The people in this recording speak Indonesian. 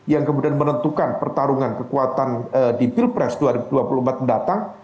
yang kemudian menentukan pertarungan kekuatan di pilpres dua ribu dua puluh empat mendatang